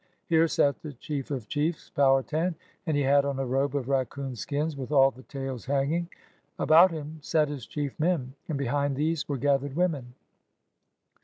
Here sat the chief of chiefs, Powha tan, and he had on a robe of raccoon skins with all the tails hanging. About him sat his chief men, and behind these were gathered women.